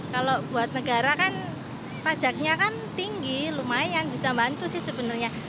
kalau buat negara kan pajaknya kan tinggi lumayan bisa bantu sih sebenarnya